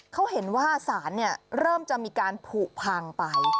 เค้าเห็นว่าสารเนี่ยเริ่มมีการผูกพางไป